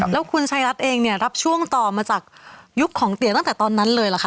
แล้วคุณชายรัฐเองเนี่ยรับช่วงต่อมาจากยุคของเตี๋ยตั้งแต่ตอนนั้นเลยเหรอคะ